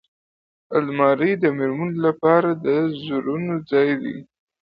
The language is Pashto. الماري د مېرمنو لپاره د زرونو ځای دی